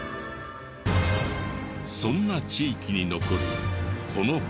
そんな地域に残るこの古墳は。